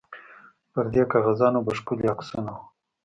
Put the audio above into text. پر دې کاغذانو به ښکلي عکسونه وو.